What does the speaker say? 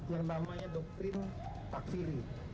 yang namanya doktrin pakfiri